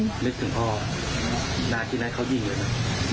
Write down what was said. นึกถึงพ่อนาทีนั้นเขายิงเลยนะ